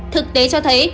thực tế cho thấy